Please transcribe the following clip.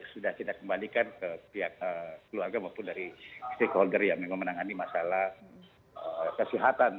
sudah kita kembalikan ke pihak keluarga maupun dari stakeholder yang memang menangani masalah kesehatan